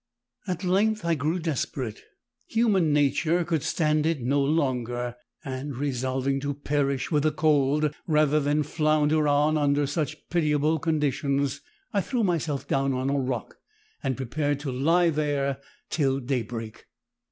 "At length I grew desperate human nature could stand it no longer and resolving to perish with the cold rather than flounder on under such pitiable conditions, I threw myself down on a rock and prepared to lie there till daybreak.